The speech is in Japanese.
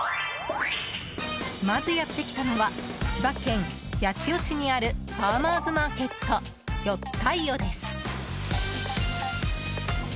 まず、やってきたのは千葉県八千代市にあるファーマーズマーケットよったいよです。